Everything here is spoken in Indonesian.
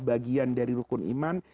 bagian dari rukun iman